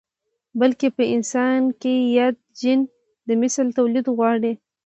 بلکې په انسان کې ياد جېن د مثل توليد غواړي.